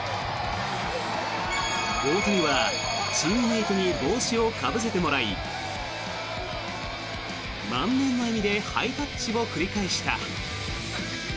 大谷は、チームメートに帽子をかぶせてもらい満面の笑みでハイタッチを繰り返した。